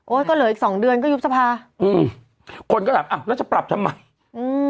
ก็เหลืออีกสองเดือนก็ยุบสภาอืมคนก็ถามอ่ะแล้วจะปรับทำไมอืม